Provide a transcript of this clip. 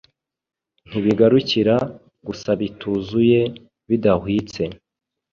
ntibigarukira gusabituzuye bidahwitse